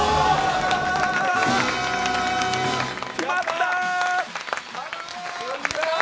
決まった！